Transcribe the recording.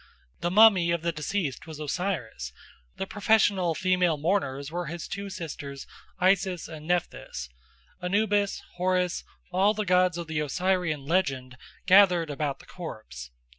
The mummy of the deceased was Osiris; the professional female mourners were his two sisters Isis and Nephthys; Anubis, Horus, all the gods of the Osirian legend gathered about the corpse."